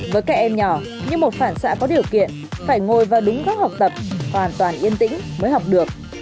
với các em nhỏ như một phản xạ có điều kiện phải ngồi vào đúng góc học tập hoàn toàn yên tĩnh mới học được